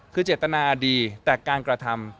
คือเจตนาดีแต่การกระทำ